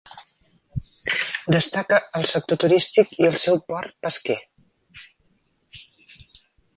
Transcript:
Destaca el sector turístic i el seu port pesquer.